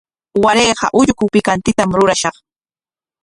Warayqa ulluku pikantitam rurashaq.